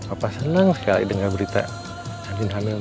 apa senang sekali dengar berita andin hamil